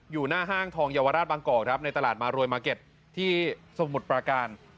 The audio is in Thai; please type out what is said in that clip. หน้าห้างทองเยาวราชบางกอกครับในตลาดมารวยมาร์เก็ตที่สมุทรปราการ